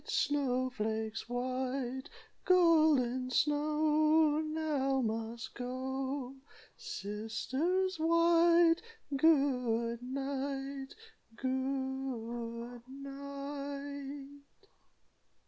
Snow flakes white. Golden Snow Now must go. Sisters white, Good night! Good night!"